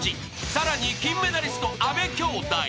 ［さらに金メダリスト阿部きょうだい］